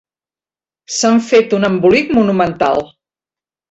S'han fet un embolic monumental.